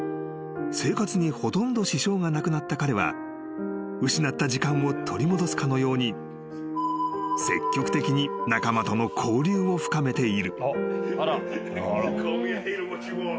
［生活にほとんど支障がなくなった彼は失った時間を取り戻すかのように積極的に仲間との交流を深めている］